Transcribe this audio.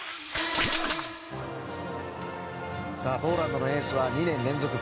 ポーランドのエースは２年連続